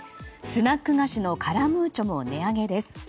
スナック菓子のカラムーチョも値上げです。